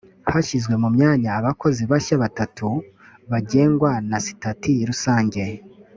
hashyizwe mu myanya abakozi bashya batatu bagengwa na sitati rusange